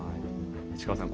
市川さん